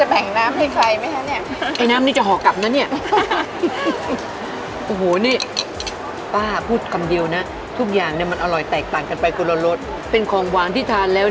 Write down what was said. หัวมาตัดละชิ้นนี่ชื่อฝรั่งเรื่องนั้นน่ะเอ้ย